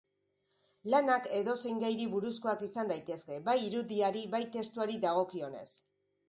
Lanak edozein gairi buruzkoak izan daitezke, bai irudiari bai testuari dagokionez.